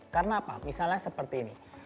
karena apa misalnya seperti ini